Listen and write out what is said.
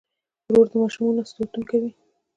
ورور د ماشومانو ساتونکی وي.